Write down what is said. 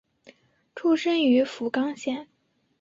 出身于福冈县。